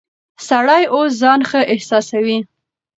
سړی اوس ځان ښه احساسوي.